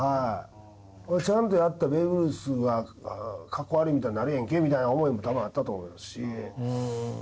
ちゃんとやったベイブルースが格好悪いみたいになるやんけみたいな思いも多分あったと思いますし。